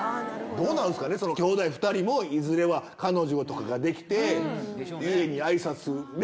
どうなんですかね、兄弟２人もいずれは彼女とかができて、家にあいさつする。